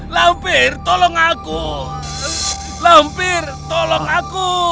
lampir tolong aku lampir tolong aku